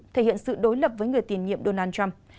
thể hiện sự đối lập với người tiền nhiệm donald trump